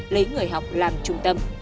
lấy người học làm trung tâm